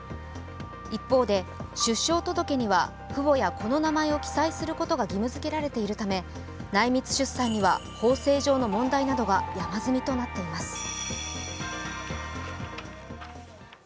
一方で、出生届には父母や子の名前を記載することが義務づけられているため内密出産には法制上の問題などが山積みとなっています。